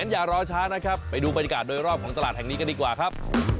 อย่ารอช้านะครับไปดูบรรยากาศโดยรอบของตลาดแห่งนี้กันดีกว่าครับ